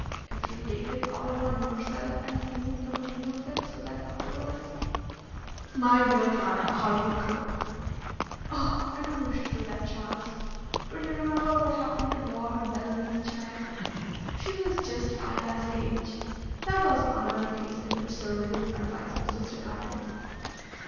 If you take it all upon yourself and free me from any of it, so that afterwards " "My dear Clara, how you do croak!" "Oh! I don't wish to do that, Charles. But you remember what happened to Lord Bellamy's child. She was just Ida's age. That was another case in which Sir William's advice was disregarded."